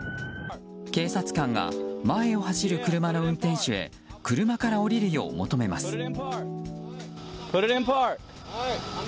警察官が前を走る車の運転手へ車から降りるよう求めます。